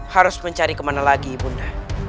harus mencari kemana lagi ibu undamu